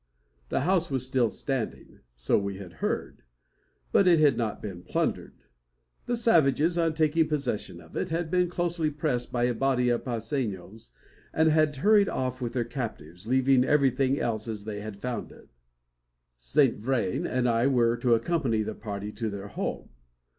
The house was still standing; so we had heard. It had not been plundered. The savages, on taking possession of it, had been closely pressed by a body of Pasenos, and had hurried off with their captives, leaving everything else as they had found it. Saint Vrain and I were to accompany the party to their home.